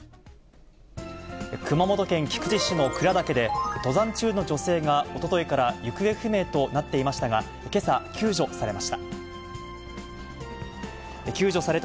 熊本県菊池市の鞍岳で、登山中の女性がおとといから行方不明となっていましたが、けさ、救助されました。